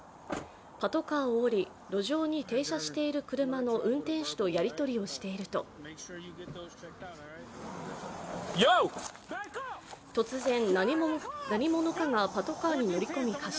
パトカーを降り、路上に停車している車の運転手とやり取りをしていると突然何者かがパトカーに乗り込み発進。